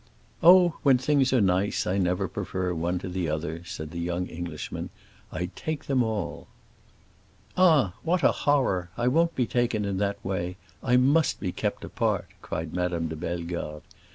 "Oh, when things are nice I never prefer one to the other," said the young Englishman. "I take them all." "Ah, what a horror! I won't be taken in that way; I must be kept apart," cried Madame de Bellegarde. "Mr.